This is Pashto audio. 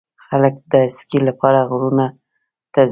خلک د اسکی لپاره غرونو ته ځي.